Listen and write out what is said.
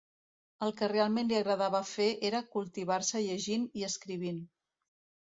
El que realment li agradava fer era cultivar-se llegint i escrivint.